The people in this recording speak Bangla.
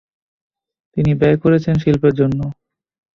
তিনি ব্যয় করেছেন শিল্পের জন্য।